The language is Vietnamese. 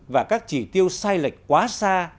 và các chỉ tiêu sai lệch quá xa